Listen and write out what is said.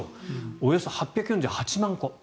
およそ８４８万戸。